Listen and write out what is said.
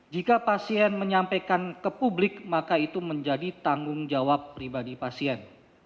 jika pasien menyampaikan ke publik maka itu menjadi tanggung jawab pribadi pasien